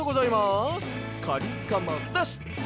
カリカマです！